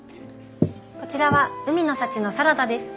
こちらは海の幸のサラダです。